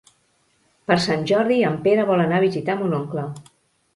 Per Sant Jordi en Pere vol anar a visitar mon oncle.